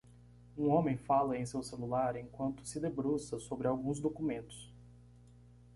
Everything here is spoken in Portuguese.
Um homem fala em seu celular enquanto se debruça sobre alguns documentos.